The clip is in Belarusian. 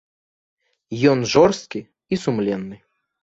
Ён жорсткі і сумленны.